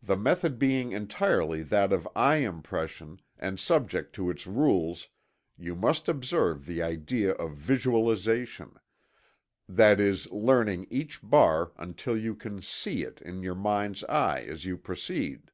The method being entirely that of eye impression and subject to its rules, you must observe the idea of visualization that is learning each bar until you can see it "in your mind's eye" as you proceed.